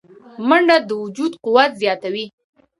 منډه د وجود قوه زیاتوي